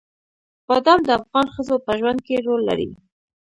بادام د افغان ښځو په ژوند کې رول لري.